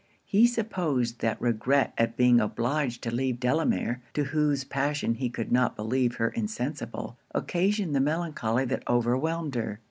He supposed that regret at being obliged to leave Delamere, to whose passion he could not believe her insensible, occasioned the melancholy that overwhelmed her.